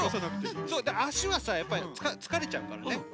そうあしはさやっぱりつかれちゃうからね。